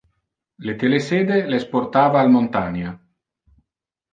Le telesede les portava al montania.